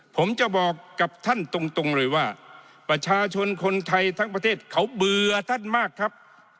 ผมจะบอกกับท่านตรงเลยว่าประชาชนคนไทยทั้งประเทศเขาเบื่อท่านมากครับ